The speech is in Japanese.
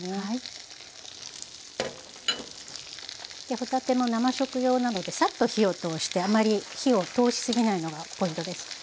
帆立ても生食用なのでサッと火を通してあまり火を通しすぎないのがポイントです。